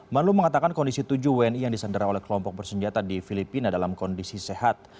menlu mengatakan kondisi tujuh wni yang disandera oleh kelompok bersenjata di filipina dalam kondisi sehat